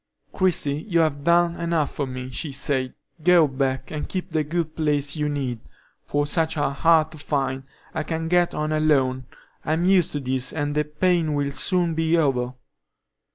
"Christie, you have done enough for me," she said. "Go back, and keep the good place you need, for such are hard to find. I can get on alone; I'm used to this, and the pain will soon be over."